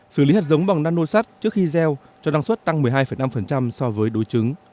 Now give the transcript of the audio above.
xử lý hạt giống bằng nano sắt trước khi gieo cho năng suất tăng một mươi hai năm so với đối chứng